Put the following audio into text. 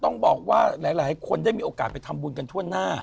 ต้องบอกว่าหลายคนได้มีโอกาสไปทำบุญกันทั่วหน้า